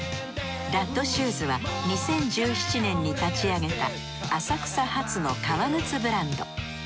ＲＵＴＴ−ＳＨＯＥＳは２０１７年に立ち上げた浅草発の革靴ブランド。